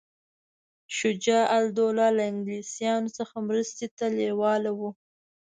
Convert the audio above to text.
شجاع الدوله له انګلیسیانو څخه مرستې ته لېواله وو.